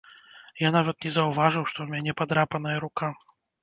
Я нават не заўважыў што ў мяне падрапаная рука.